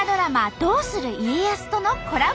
「どうする家康」とのコラボ